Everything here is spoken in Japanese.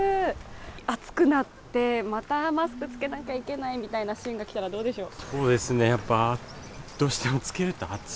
暑くなって、またマスク着けなきゃいけないみたいなシーンがきたらどうでしょう？